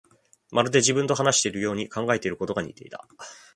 まるで自分と話しているように、考えていることが似ていた